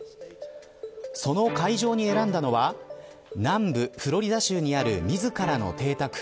その会場に選んだのは南部フロリダ州にある自らの邸宅